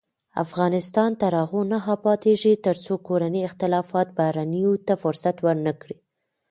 افغانستان تر هغو نه ابادیږي، ترڅو کورني اختلافات بهرنیو ته فرصت ورنکړي.